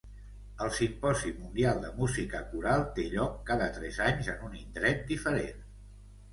El Simposi Mundial de Música Coral té lloc cada tres anys en un indret diferent.